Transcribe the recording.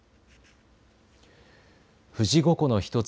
富士五湖の一つ。